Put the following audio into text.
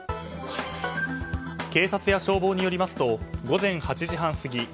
警察や消防によりますと午前８時半過ぎ